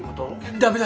ダメだ。